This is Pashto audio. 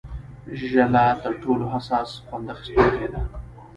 ژله تر ټولو حساس خوند اخیستونکې ده.